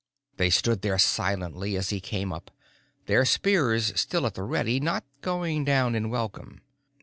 They stood there silently as he came up, their spears still at the ready, not going down in welcome.